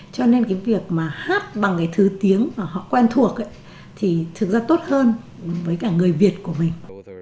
cho nên cái việc mà hát bằng cái thứ tiếng mà họ quen thuộc thì thực ra tốt hơn với cả người việt của mình